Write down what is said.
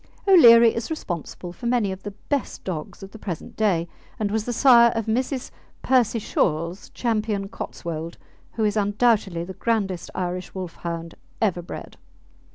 O'Leary is responsible for many of the best dogs of the present day, and was the sire of Mrs. Percy Shewell's Ch. Cotswold, who is undoubtedly the grandest Irish Wolfhound ever bred.